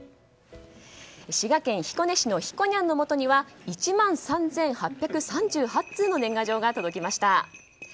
滋賀県彦根市のひこにゃんのもとには１万３８３８通の年賀状が届きました。